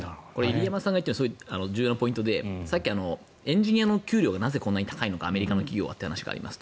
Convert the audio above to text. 入山さんが言っているのは重要なポイントでエンジニアの給料がなぜこんなに高いのかアメリカの企業はというお話があります。